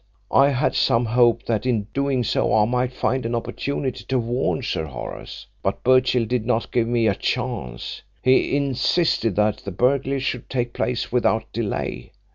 I had some hope that in doing so I might find an opportunity to warn Sir Horace, but Birchill did not give me a chance. He insisted that the burglary should take place without delay.